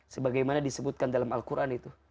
sebagaimana disebutkan dalam al quran itu